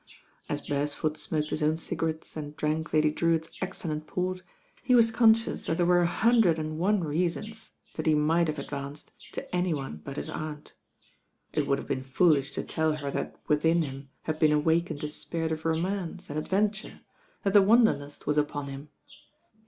As Beresford smoked his own cigarettes and drank Lady Drewitt's exceUent port, he was con scious that there were a hundred and one reasons that he might have advanced to any one but his aunt. It would have been foolish to tell her that within him had been awakened a spirit of romance and ad venture, that the wanderlust was upon him.